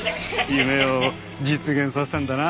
夢を実現させたんだな。